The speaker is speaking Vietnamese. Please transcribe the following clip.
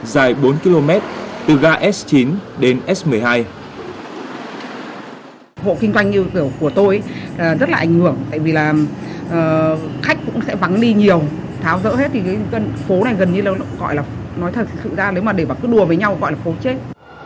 dài bốn km từ ga s chín đến s một mươi hai